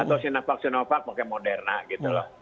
atau sinovac sinovac pakai moderna gitu loh